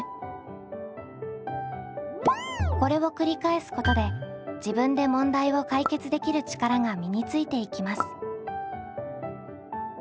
これを繰り返すことで自分で問題を解決できる力が身についていきます。